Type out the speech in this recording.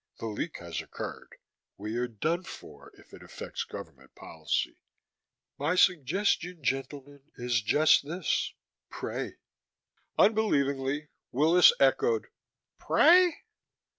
The leak has occurred: we are done for if it affects governmental policy. My suggestion, gentlemen, is just this: pray." Unbelievingly, Willis echoed: "Pray?"